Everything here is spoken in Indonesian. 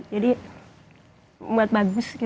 jadi buat bagus gitu